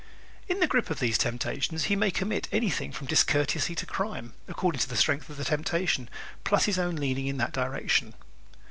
In the grip of these temptations he may commit anything from discourtesy to crime according to the strength of the temptation plus his own leaning in that direction.